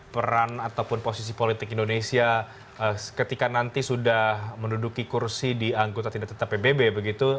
peran ataupun posisi politik indonesia ketika nanti sudah menduduki kursi di anggota tindak tetap pbb begitu